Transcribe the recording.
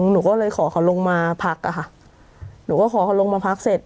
หนูก็เลยขอเขาลงมาพักอะค่ะหนูก็ขอเขาลงมาพักเสร็จ